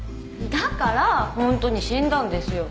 だからホントに死んだんですよ。